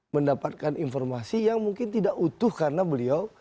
mendapatkan informasi yang mungkin tidak utuh karena beliau